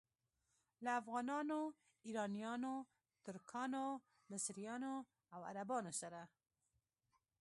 له افغانانو، ایرانیانو، ترکانو، مصریانو او عربانو سره.